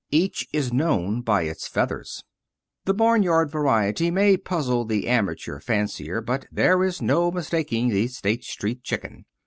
Each is known by its feathers. The barnyard variety may puzzle the amateur fancier, but there is no mistaking the State Street chicken.